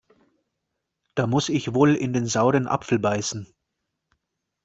Da muss ich wohl in den sauren Apfel beißen.